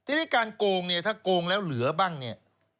ทีนี้การโกงเนี่ยถ้าโกงแล้วเหลือบ้างเนี่ย